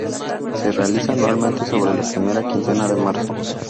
Se realiza anualmente sobre la primera quincena de marzo.